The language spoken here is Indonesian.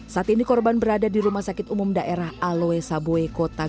saat ini korban berada di rumah sakit umum daerah aloe saboe kota